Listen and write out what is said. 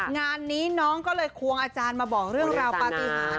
งานนี้น้องก็เลยควงอาจารย์มาบอกเรื่องราวปฏิหาร